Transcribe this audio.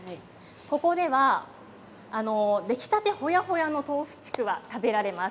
ここでは出来たてほやほやのとうふちくわ食べられます。